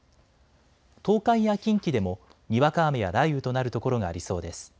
東海や近畿でもにわか雨や雷雨となる所がありそうです。